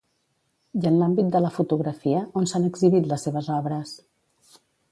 I en l'àmbit de la fotografia, on s'han exhibit les seves obres?